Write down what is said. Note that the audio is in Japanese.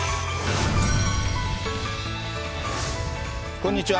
こんにちは。